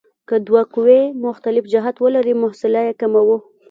که دوه قوې مخالف جهت ولري محصله یې کموو.